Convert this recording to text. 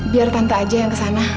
biar tante aja yang kesana